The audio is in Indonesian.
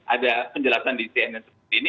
ada penjelasan di icn yang seperti ini